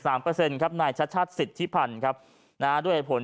เปอร์เซ็นต์ครับนายชัดชัดสิทธิพันธ์ครับนะฮะด้วยเหตุผล